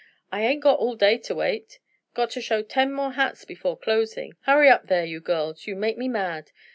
"I ain't got all day to wait! Gotta show ten more hats before closing. Hurry up there, you girls, you make me mad!